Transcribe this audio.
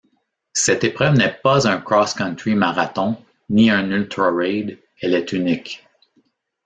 Cette épreuve n'est pas un cross-country marathon, ni un ultra raid, elle est unique.